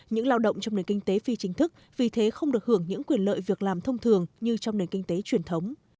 những lao động trong nền kinh tế phi chính thức vì thế không được hưởng những quyền lợi việc làm thông thường như trong nền kinh tế truyền thống